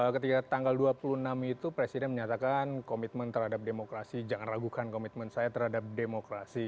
ketika tanggal dua puluh enam itu presiden menyatakan komitmen terhadap demokrasi jangan ragukan komitmen saya terhadap demokrasi